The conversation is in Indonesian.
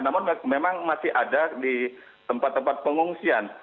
namun memang masih ada di tempat tempat pengungsian